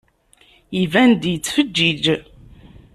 Iban-d yettfeǧǧiǧ.